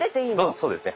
そうですね。